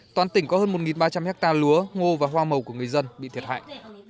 toàn tỉnh có hơn một ba trăm linh hectare lúa ngô và hoa màu của người dân bị thiệt hại